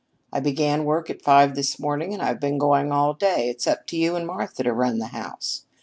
I began work at five this morning and I've been going all day. It's up to you and Martha to run the house."